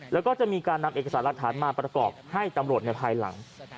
แล้วก็จะมีการนำเอกสารหลักฐานมาประกอบให้ตำรวจในภายหลัง